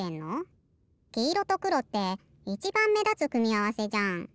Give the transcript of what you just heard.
きいろとくろっていちばんめだつくみあわせじゃん。